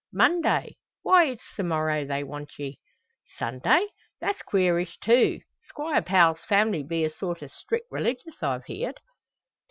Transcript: "Monday! Why, it's the morrow they want ye." "Sunday! That's queerish, too. Squire Powell's family be a sort o' strict religious, I've heerd."